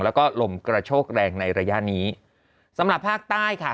แล้วก็ลมกระโชกแรงในระยะนี้สำหรับภาคใต้ค่ะ